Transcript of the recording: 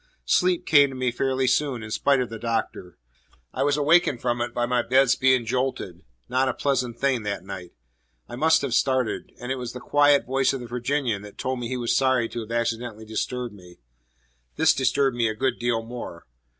Sleep came to me fairly soon, in spite of the Doctor. I was wakened from it by my bed's being jolted not a pleasant thing that night. I must have started. And it was the quiet voice of the Virginian that told me he was sorry to have accidentally disturbed me. This disturbed me a good deal more.